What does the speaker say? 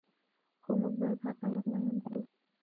خو موږ باید حقایق بیان کړو.